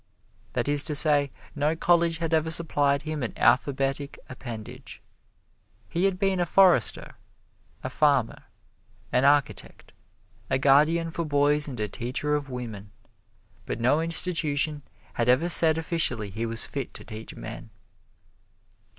That is to say, no college had ever supplied him an alphabetic appendage. He had been a forester, a farmer, an architect, a guardian for boys and a teacher of women, but no institution had ever said officially he was fit to teach men.